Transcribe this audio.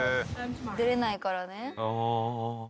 出れないからね。